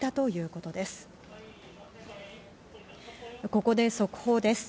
ここで速報です。